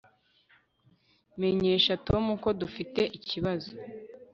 menyesha tom ko dufite ikibazo